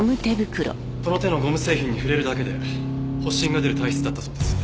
この手のゴム製品に触れるだけで発疹が出る体質だったそうです。